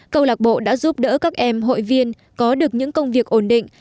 câu lạc bộ đã giúp đỡ các em hội viên có được những công việc ổn định